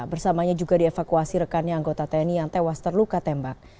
bersamanya juga dievakuasi rekannya anggota tni yang tewas terluka tembak